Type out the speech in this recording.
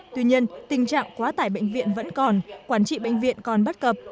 tuy nhiên tình trạng quá tải bệnh viện vẫn còn quản trị bệnh viện còn bất cập